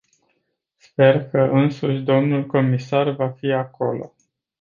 Sper că însuși dl comisarul va fi acolo.